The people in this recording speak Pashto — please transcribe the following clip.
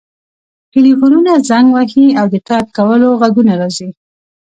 ټیلیفونونه زنګ وهي او د ټایپ کولو غږونه راځي